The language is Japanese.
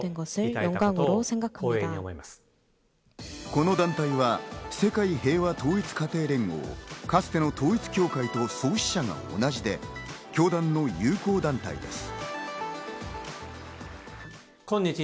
この団体は世界平和統一家庭連合、かつての統一教会と創始者が同じで、教団の友好団体です。